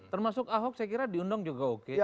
termasuk ahok saya kira diundang juga oke